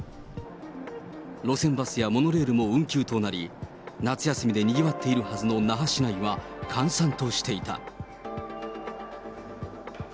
路線バスやモノレールも運休となり、夏休みでにぎわっているはずの那覇市内は閑散としていた。